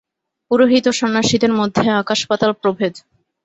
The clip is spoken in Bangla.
পুরোহিত ও সন্ন্যাসীদের মধ্যে আকাশ-পাতাল প্রভেদ।